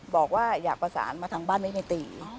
บอกว่าอยากประสานมาทางบ้านไว้ในตี